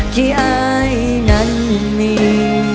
ที่อายนั้นมี